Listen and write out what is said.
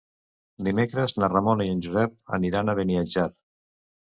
Dimecres na Ramona i en Josep aniran a Beniatjar.